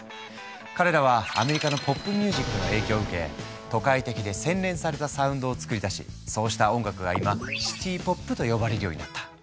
彼らはアメリカのポップミュージックの影響を受け都会的で洗練されたサウンドを作り出しそうした音楽が今シティ・ポップと呼ばれるようになった。